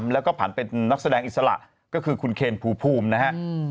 แล้วก็ผันเป็นนักแสดงอิสระก็คือคุณเคนภูมินะฮะ